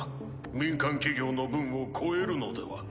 民間企業の分を超えるのでは？